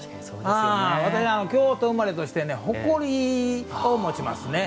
私は京都生まれとして誇りを持ちますね。